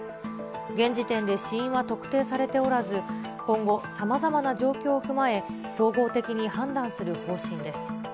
現時点で死因は特定されておらず、今後、さまざまな状況を踏まえ、総合的に判断する方針です。